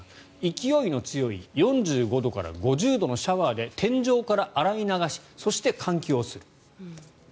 勢いの強い４５度から５０度のシャワーで天井から洗い流しそして、換気をする。